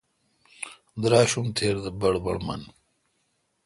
دراشوم تِر دہ بڑبڑ من۔